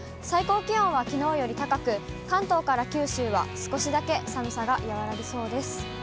最高気温はきのうより高く、関東から九州は少しだけ寒さが和らぎそうです。